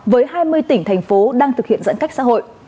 với hai mươi tỉnh thành phố đang thực hiện giãn cách xã hội